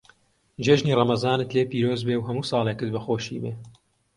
جێژنی ڕەمەزانت لێ پیرۆز بێ و هەموو ساڵێکت بە خۆشی بێ.